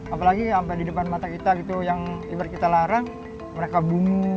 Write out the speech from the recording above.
apalagi sampai di depan mata kita gitu yang ibarat kita larang mereka bungu